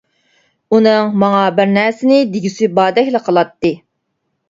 ئۇنىڭ ماڭا بىر نەرسىنى دېگۈسى باردەكلا قىلاتتى.